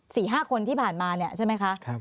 สี่ห้าคนที่ผ่านมาเนี่ยใช่ไหมคะครับ